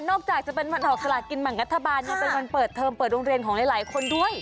จากจะเป็นวันออกสลากินแบ่งรัฐบาลยังเป็นวันเปิดเทอมเปิดโรงเรียนของหลายคนด้วย